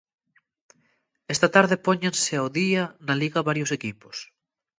Esta tarde póñense ao día na Liga varios equipos.